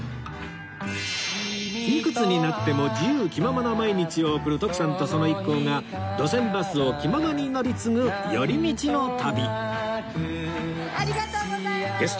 いくつになっても自由気ままな毎日を送る徳さんとその一行が路線バスを気ままに乗り継ぐ寄り道の旅